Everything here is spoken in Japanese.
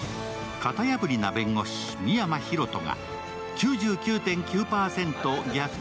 型破りな弁護士・深山大翔が９９．９％逆転